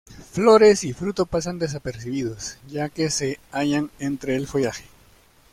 Flores y fruto pasan desapercibidos, ya que se hallan entre el follaje.